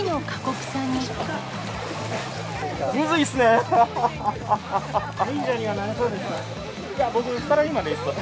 忍者にはなれそうですか？